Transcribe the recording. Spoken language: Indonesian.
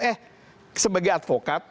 eh sebagai advokat